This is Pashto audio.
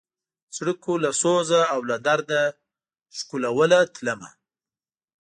څړیکو له سوزه او له درده ښکلوله تلمه